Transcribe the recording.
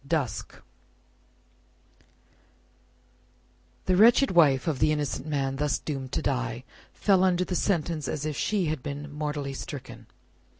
Dusk The wretched wife of the innocent man thus doomed to die, fell under the sentence, as if she had been mortally stricken.